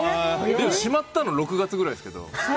しまったの６月くらいですけど。